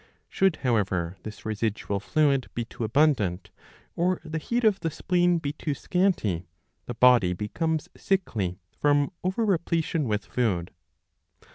^^ Should however this residual fluid be too abundant, or the heat of the spleen be too scanty, the body becomes sickly from over repletion with food.